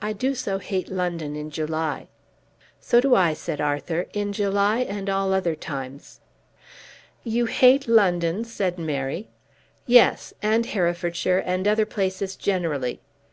"I do so hate London in July." "So do I," said Arthur, "in July and all other times." "You hate London!" said Mary. "Yes, and Herefordshire, and other places generally.